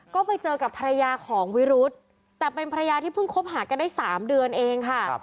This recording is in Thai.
ก็ไปเจอกับภรรยาของวิรุธแต่เป็นภรรยาที่เพิ่งคบหากันได้๓เดือนเองค่ะ